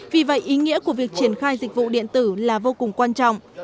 vì vậy ý nghĩa của việc triển khai dịch vụ điện tử là vô cùng quan trọng